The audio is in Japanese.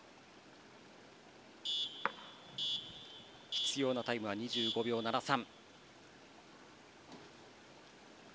必要なタイムは２５秒７３。